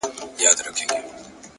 هره هڅه د بریا خوا ته حرکت دی،